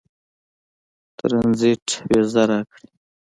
ټرنزیټ وېزه راکړي.